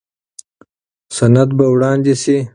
سند به وړاندې شي.